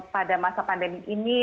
pada masa pandemi ini